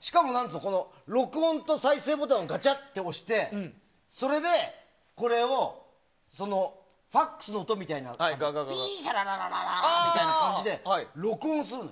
しかも、録音と再生ボタンをガチャッて押してそれで、これをＦＡＸの音みたいなピーヒャラララみたいな感じで録音するの。